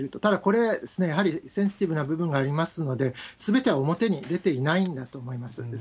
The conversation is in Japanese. ただ、これ、やはりセンシティブな部分がありますので、すべては表に出ていないんだと思います。